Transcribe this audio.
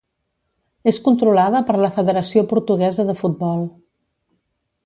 És controlada per la Federació Portuguesa de Futbol.